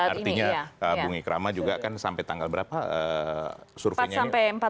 artinya bung ikrama juga kan sampai tanggal berapa surveinya ini